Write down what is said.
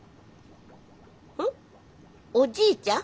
おじいちゃん？